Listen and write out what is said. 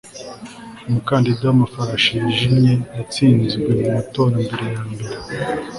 umukandida wamafarasi yijimye yatsinzwe mumatora mbere yambere